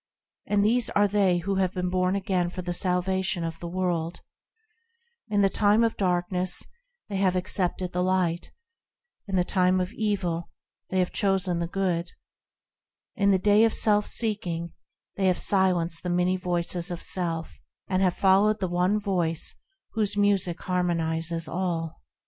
And these are they who have been born again for the salvation of the world ; In the time of darkness, they have accepted the Light; In the time of evil, they have chosen the Good; In the day of self seeking, they have silenced the many voices of self, And have followed the One Voice whose music harmonises all.